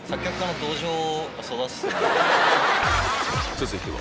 続いては